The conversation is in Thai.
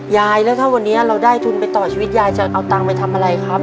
ยายแล้วถ้าวันนี้เราได้ทุนไปต่อชีวิตยายจะเอาตังค์ไปทำอะไรครับ